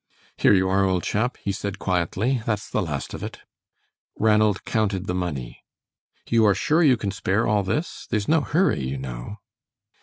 "Here you are, old chap," he said, quietly. "That's the last of it." Ranald counted the money. "You are sure you can spare all this? There is no hurry, you know."